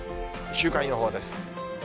週間予報です。